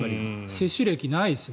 接種歴、ないですね。